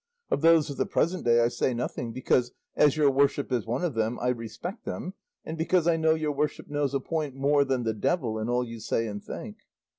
Of those of the present day I say nothing, because, as your worship is one of them, I respect them, and because I know your worship knows a point more than the devil in all you say and think."